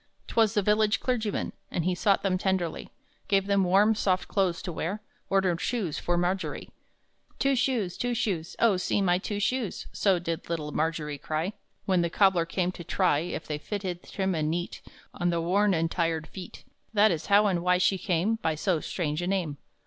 'Twas the village clergyman, And he sought them tenderly, Gave them warm, soft clothes to wear. Ordered shoes for Margery. "Two shoes, two shoes, Oh, see my two shoes!" So did little Margery cry, When the cobbler came to try If they fitted trim and neat On the worn and tired feet: That is how and why she came By so strange a name.